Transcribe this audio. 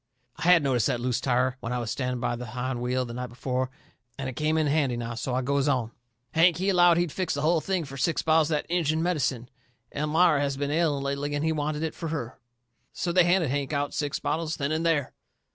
I had noticed that loose tire when I was standing by the hind wheel the night before, and it come in handy now. So I goes on: "Hank, he allowed he'd fix the hull thing fur six bottles of that Injun medicine. Elmira has been ailing lately, and he wanted it fur her. So they handed Hank out six bottles then and there."